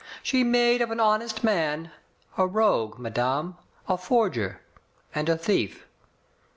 She made of an honest man a rogue, madame, a forger, and a thief.